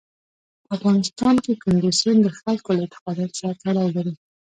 په افغانستان کې کندز سیند د خلکو له اعتقاداتو سره تړاو لري.